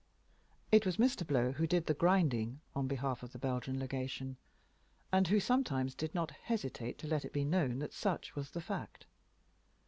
It was Mr. Blow who did the "grinding" on behalf of the Belgian Legation, and who sometimes did not hesitate to let it be known that such was the fact.